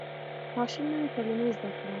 ماشوم نوې کلمه زده کړه